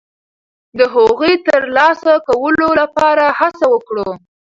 د هغوی د ترلاسه کولو لپاره هڅه وکړو.